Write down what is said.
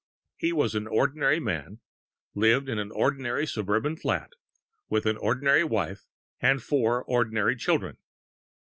He was an ordinary man, lived in an ordinary suburban flat, with an ordinary wife and four ordinary children.